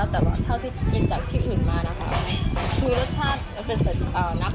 แต่ว่าเท่าที่กินจากที่อื่นมานะคะ